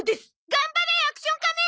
頑張れアクション仮面！